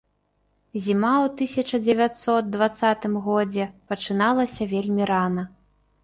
Зіма ў тысяча дзевяцьсот дваццатым годзе пачыналася вельмі рана.